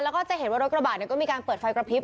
แล้วก็จะเห็นว่ารถกระบะก็มีการเปิดไฟกระพริบ